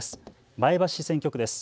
前橋市選挙区です。